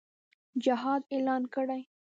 جهاد اعلان کړي.